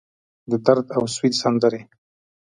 د درد اوسوي سندرې